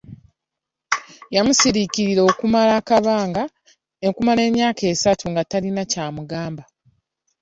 Yamusiriikirira okumala emyaka esatu nga talina ky’amugamba.